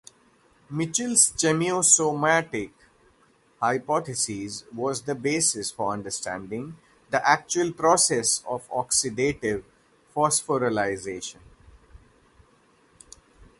Mitchell's chemiosmotic hypothesis was the basis for understanding the actual process of oxidative phosphorylation.